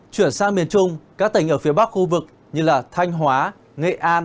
chuyển sang miền trung các tỉnh ở phía bắc khu vực như là thanh hóa nghệ an và hà tĩnh